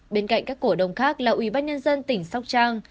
bên cạnh các cổ đông khác là ubnd tỉnh sóc trang ba mươi tám tám mươi chín